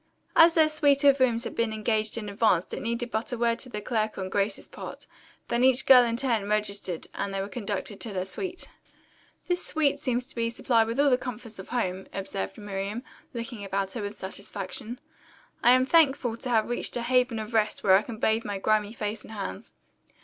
As their suite of rooms had been engaged in advance it needed but a word to the clerk on Grace's part, then each girl in turn registered and they were conducted to their suite. "This suite seems to be supplied with all the comforts of home," observed Miriam, looking about her with satisfaction. "I am thankful to have reached a haven of rest where I can bathe my grimy face and hands."